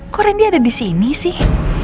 kok randy ada di sini sih